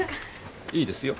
いいですよ